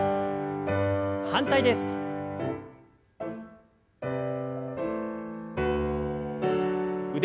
反対です。